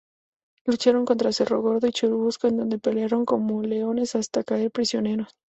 Lucharon en Cerro Gordo y Churubusco en donde pelearon como leones hasta caer prisioneros.